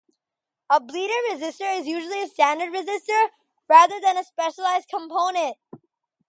A bleeder resistor is usually a standard resistor rather than a specialized component.